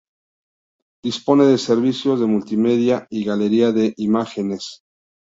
Dispone de servicios de multimedia y galería de imágenes.